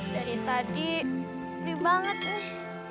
dari tadi perih banget nih